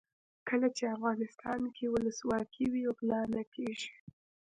کله چې افغانستان کې ولسواکي وي غلا نه کیږي.